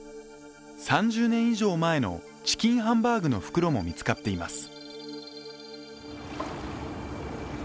３０年以上前のチキンハンバーグの袋も見つかっています。